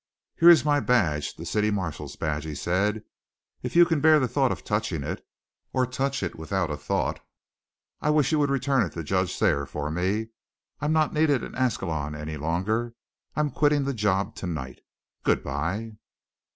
"Here is my badge the city marshal's badge," he said. "If you can bear the thought of touching it, or touch it without a thought, I wish you would return it to Judge Thayer for me. I'm not needed in Ascalon any longer, I'm quitting the job tonight. Good bye."